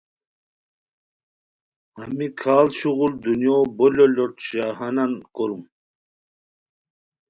ہمی کھاڑ شغل دنیو بو لوٹ لوٹ شاہانن کوروم